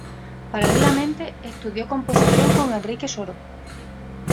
Paralelamente, estudió composición con Enrique Soro.